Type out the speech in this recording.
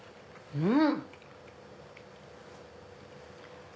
うん！